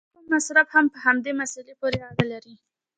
د توکو مصرف هم په همدې مسله پورې اړه لري.